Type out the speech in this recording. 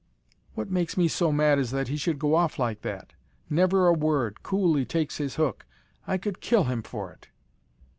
"What makes me so mad is that he should go off like that never a word coolly takes his hook. I could kill him for it."